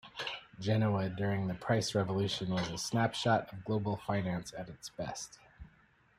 Genoa during the price revolution was a snapshot of global finance at its best.